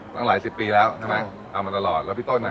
ตั้งหลายสิบปีแล้วทำมาตลอดแล้วพี่โต๊นไหน